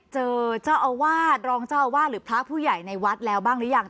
เจอเจ้าอาวาสรองเจ้าอาวาสหรือพระผู้ใหญ่ในวัดแล้วบ้างหรือยัง